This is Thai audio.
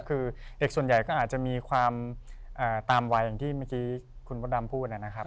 คือเด็กส่วนใหญ่ก็อาจจะมีความตามวัยอย่างที่เมื่อกี้คุณมดดำพูดนะครับ